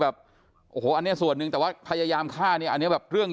แบบโอ้โหอันนี้ส่วนหนึ่งแต่ว่าพยายามฆ่าเนี่ยอันนี้แบบเรื่อง